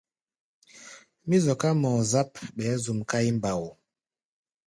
Mí zɔká mɔɔ-záp, ɓɛɛ́ zuʼm káí mbao.